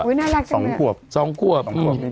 อุ้ยน่ารักจังเนี่ย๒ขวบ